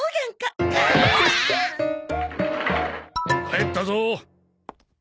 帰ったぞ。